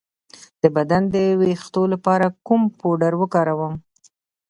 د بدن د ویښتو لپاره کوم پوډر وکاروم؟